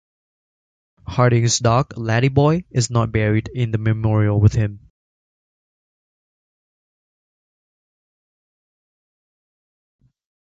Harding's dog Laddie Boy is not buried in the memorial with him.